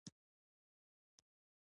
د پنجشیر زمرد په نړۍ کې څه مقام لري؟